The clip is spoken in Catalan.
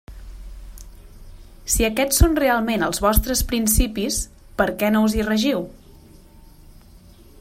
Si aquests són realment els vostres principis, ¿per què no us hi regiu?